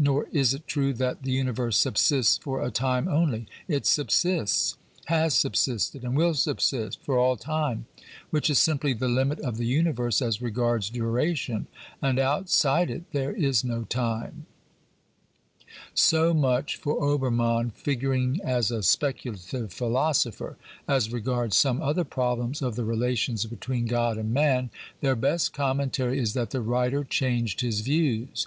Nor is it true that the universe subsists for a time only ; it subsists, has sub sisted and will subsist for all time, which is simply the limit of the universe as regards duration, and outside it there is no time. So much for Obermann figuring as a speculative xxxvlll BIOGRAPHICAL AND philosopher. As regards some other problems of the relations between God and man, their best commentary is that the writer changed his views.